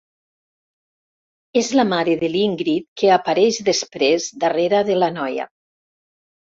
És la mare de l'Ingrid, que apareix després darrera de la noia.